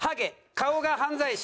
「顔が犯罪者」。